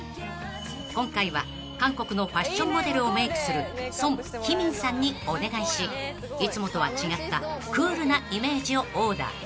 ［今回は韓国のファッションモデルをメイクするソン・ヒミンさんにお願いしいつもとは違ったクールなイメージをオーダー］